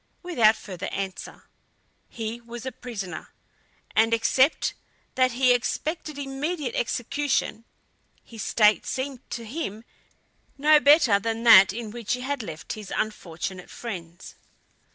without further answer; he was a prisoner, and except that he expected immediate execution, his state seemed to him no better than that in which he had left his unfortunate friends.